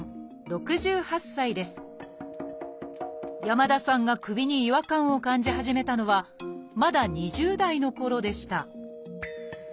山田さんが首に違和感を感じ始めたのはまだ２０代のころでした